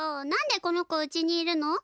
何でこの子うちにいるの？